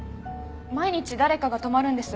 毎日誰かが泊まるんです。